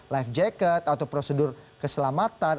life jacket atau prosedur keselamatan